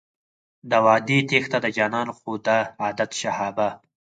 د وعدې تېښته د جانان خو دی عادت شهابه.